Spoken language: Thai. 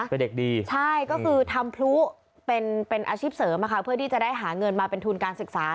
เป็นเด็กดีใช่ก็คือทำพลุเป็นอาชีพเสริมเพื่อที่จะได้หาเงินมาเป็นทุนการศึกษา